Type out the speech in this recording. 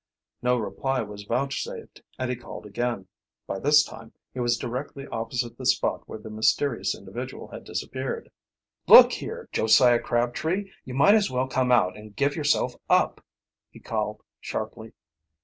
No reply was vouchsafed, and he called again. By this time he was directly opposite the spot where the mysterious individual had disappeared. "Look here, Josiah Crabtree, you might as well come out and give yourself up," he called sharply.